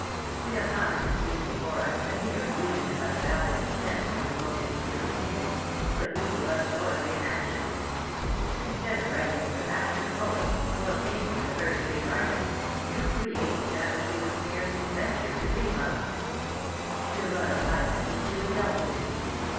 We have not in the scene before us a mere union of unbounded expense with the most exquisite taste, but you give us poetry in action. Instead of writing as a master poet, or painting as a first rate artist, you create that which they would scarcely venture to dream of." "Your royal highness is too indulgent."